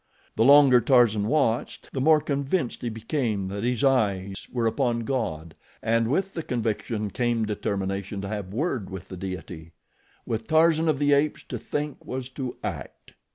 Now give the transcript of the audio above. The longer Tarzan watched, the more convinced he became that his eyes were upon God, and with the conviction came determination to have word with the deity. With Tarzan of the Apes, to think was to act.